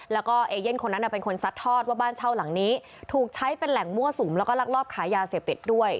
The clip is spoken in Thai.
แล้วก็เอเย่นคนนั้นเป็นคนซัดทอดว่าบ้านเช่าหลังนี้ถูกใช้เป็นแหล่งมั่วสุมแล้วก็ลักลอบขายยาเสพติดด้วย